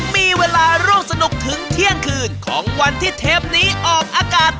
มีเวลาร่วมสนุกถึงเที่ยงคืนของวันที่เทปนี้ออกอากาศ